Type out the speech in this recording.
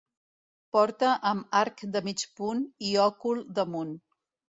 Porta amb arc de mig punt i òcul damunt.